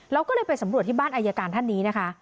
เราก็เลยไปสำรวจที่บ้านอายการท่านนี้นะคะ